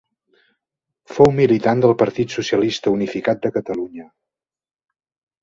Fou militant del Partit Socialista Unificat de Catalunya.